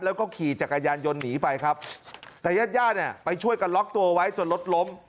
แล้วก็ขี่จักรยานยนต์หนีไปครับแต่ญาติญาติเนี่ยไปช่วยกันล็อกตัวไว้จนรถล้ม